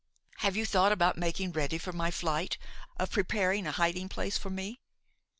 Have you thought about making ready for my flight, of preparing a hiding place for me?